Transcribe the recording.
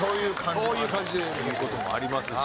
そういう感じもあるという事もありますし。